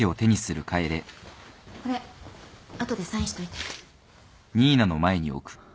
これ後でサインしといて。